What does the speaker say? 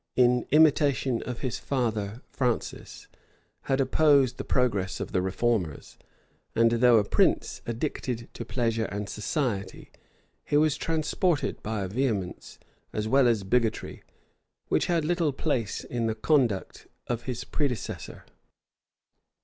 in imitation of his father, Francis, had opposed the progress of the reformers; and though a prince addicted to pleasure and society, he was transported by a vehemence, as well as bigotry, which had little place in the conduct of his predecessor.